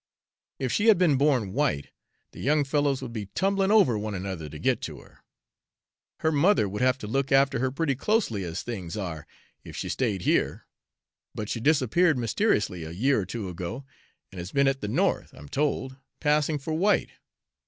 If she had been born white, the young fellows would be tumbling over one another to get her. Her mother would have to look after her pretty closely as things are, if she stayed here; but she disappeared mysteriously a year or two ago, and has been at the North, I'm told, passing for white.